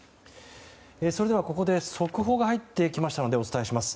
それでは、ここで速報が入ってきましたのでお伝えします。